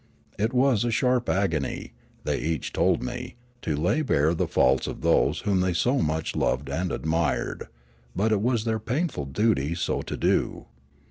It was a sharp agony, they each told me, to lay bare the faults of those whom they so much loved and admired; but it was their painful duty so to do.